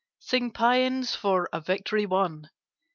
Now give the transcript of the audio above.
Sing Pæans for a victory won!